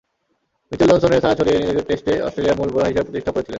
Mitchell জনসনের ছায়া সরিয়ে নিজেকে টেস্টে অস্ট্রেলিয়ার মূল বোলার হিসেবে প্রতিষ্ঠাও করেছিলেন।